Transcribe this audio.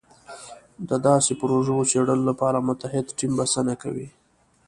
د داسې پروژو څېړلو لپاره متعهد ټیم بسنه کوي.